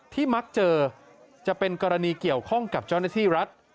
มักเจอจะเป็นกรณีเกี่ยวข้องกับเจ้าหน้าที่รัฐ